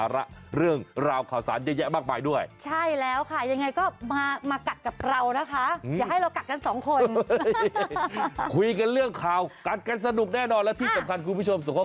แมวนี่แบบคึกครับจริงพี่หมอน